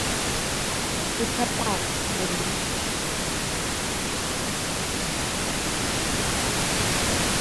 কুঠার টা আন, হেনরি।